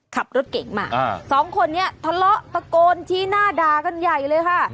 ขับรถเก่งมาสองคนนี้ทะเลาะตะโกนชี้หน้าด่ากันใหญ่เลยค่ะ